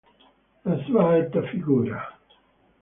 La sua alta figura.